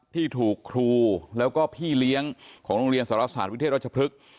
ที่ถูกครูแล้วก็พี่เลี้ยงของโรงเรียนสารศาสตร์วิเทศรัชพฤกษ์